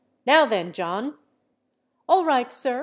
Now then, John!" "All right, sir!"